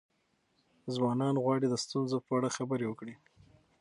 ځوانان غواړي د ستونزو په اړه خبرې وکړي.